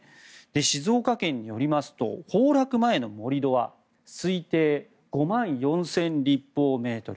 静岡県によりますと崩落前の盛り土は推定５万４０００立方メートル